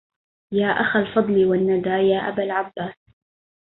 يا أخا الفضل والندى يا أبا العباس